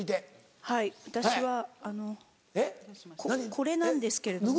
これなんですけれども。